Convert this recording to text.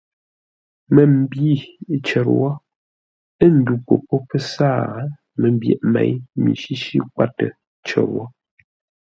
Məmbî cər wó ə́ ndu popó pə́ sáa məmbyeʼ měi mi shíshí kwatə cər wó.